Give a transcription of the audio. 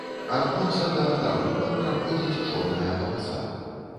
Ад носа да да вуха праходзіць чорная паласа.